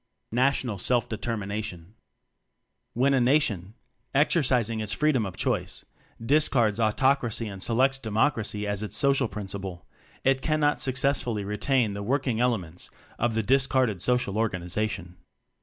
National Self determination. When a Nation exercising its freedom of choice discards Autoc racy and selects Democracy as its social principle it cannot sucessfully retain the working elements of the discarded social organization.